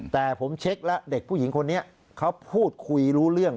แต่ผมเช็คแล้วเด็กผู้หญิงคนนี้เขาพูดคุยรู้เรื่อง